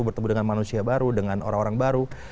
bertemu dengan manusia baru dengan orang orang baru